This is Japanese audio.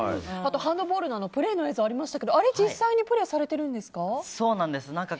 ハンドボールのプレーの映像ありましたけどあれ、実際にプレーされてるんですか？